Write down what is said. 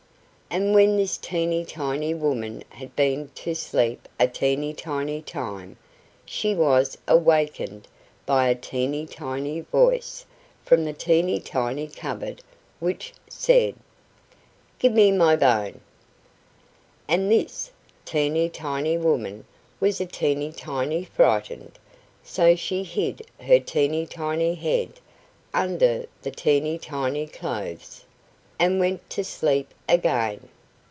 And when this teeny tiny woman had been to sleep a teeny tiny time, she was awakened by a teeny tiny voice from the teeny tiny cupboard, which said "GIVE ME MY BONE!" And this teeny tiny woman was a teeny tiny frightened, so she hid her teeny tiny head under the teeny tiny clothes, and went to sleep again.